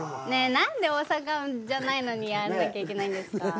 ねえ何で大阪じゃないのにやんなきゃいけないんですか？